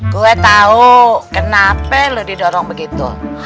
gue tahu kenapa lo didorong begitu